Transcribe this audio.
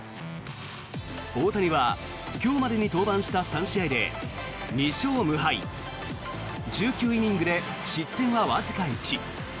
大谷は今日までに登板した３試合で２勝無敗１９イニングで失点はわずか１。